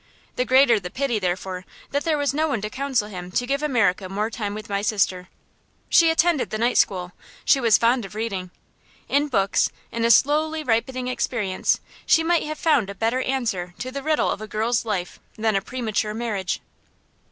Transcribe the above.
The greater the pity, therefore, that there was no one to counsel him to give America more time with my sister. She attended the night school; she was fond of reading. In books, in a slowly ripening experience, she might have found a better answer to the riddle of a girl's life than a premature marriage.